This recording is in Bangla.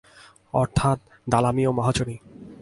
অর্থাৎ দালালি ও মহাজনি।